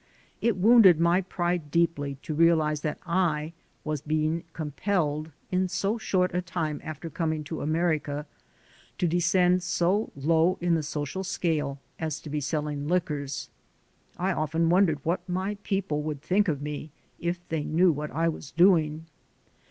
It wounded my pride deeply to realize that I was being com pelled, in so short a time after coming to America, to descend so low in the social scale as to be selling liquors. I often wondered what my people would think of me if they knew what I was doing.